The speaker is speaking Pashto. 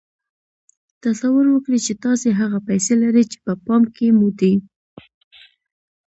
تصور وکړئ چې تاسې هغه پيسې لرئ چې په پام کې مو دي.